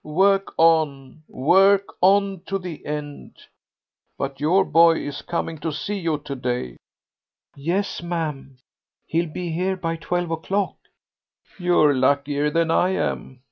Work on, work on to the end.... But your boy is coming to see you to day." "Yes, ma'am, he'll be here by twelve o'clock.'" "You're luckier than I am.